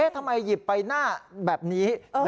ทำไมหยิบไปหน้าแบบนี้